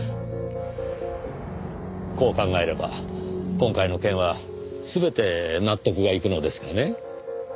こう考えれば今回の件は全て納得がいくのですがね。